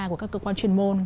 của các cơ quan chuyên môn